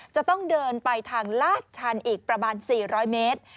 จะต้องเดินไปทางลาดชันอีกประมาณ๔๐๐เมตร